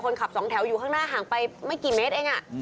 ขับสองแถวอยู่ข้างหน้าห่างไปไม่กี่เมตรเอง